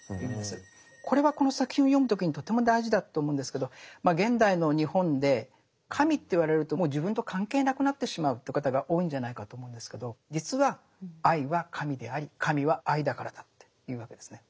これはこの作品を読む時にとても大事だと思うんですけど現代の日本で神って言われるともう自分と関係なくなってしまうって方が多いんじゃないかと思うんですけど実は愛は神であり神は愛だからだっていうわけですね。